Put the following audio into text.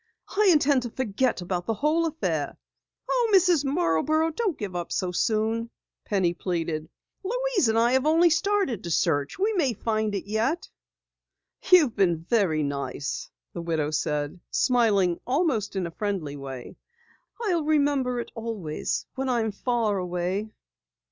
I intend to forget about the whole affair." "Oh, Mrs. Marborough, don't give up so soon," Penny pleaded. "Louise and I have only started to search. We may find it yet." "You've been very nice," the widow said, smiling almost in a friendly way. "I'll remember it always when I am far away."